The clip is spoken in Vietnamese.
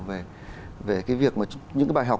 về những bài học